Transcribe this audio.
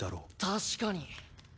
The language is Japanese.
確かに。